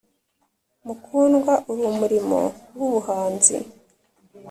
mukundwa, uri umurimo wubuhanzi.